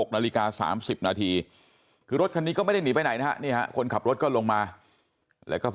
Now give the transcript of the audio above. นาฬิกา๓๐นาทีคือรถคันนี้ก็ไม่ได้หนีไปไหนนะฮะคนขับรถก็ลงมาแล้วก็พอ